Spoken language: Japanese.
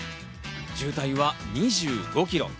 渋滞は２５キロ。